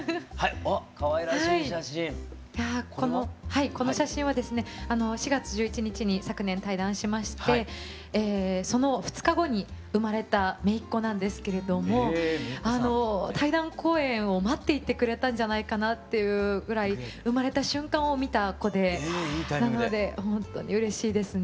はいこの写真はですね４月１１日に昨年退団しましてその２日後に生まれためいっ子なんですけれども退団公演を待っていてくれたんじゃないかなっていうぐらい生まれた瞬間を見た子でなのでほんとにうれしいですね。